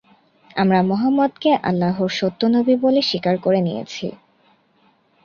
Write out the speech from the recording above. আমরা মুহাম্মাদকে আল্লাহর সত্য নবী বলে স্বীকার করে নিয়েছি।